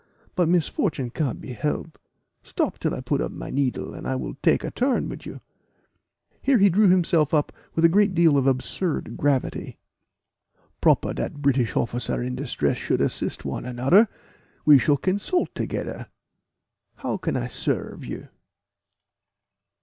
But misfortune can't be help. Stop till I put up my needle, and I will take a turn wid you." Here he drew himself up with a great deal of absurd gravity. "Proper dat British hofficer in distress should assist one anoder we shall consult togeder. How can I serve you?"